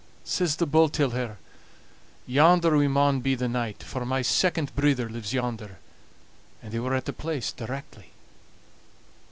Says the bull till her: "Yonder we maun be the night, for my second brither lives yonder"; and they were at the place directly.